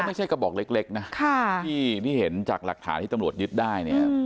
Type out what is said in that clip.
ไม่ใช่กระบอกเล็กนะที่เห็นจากหลักฐานที่ตำรวจยึดได้เนี่ย